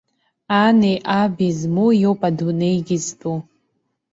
Ани аби змоу иоуп адунеигьы зтәу!